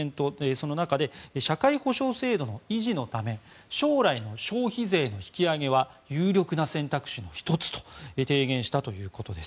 その中で社会保障制度の維持のため将来の消費税の引き上げは有力な選択肢の１つと提言したということです。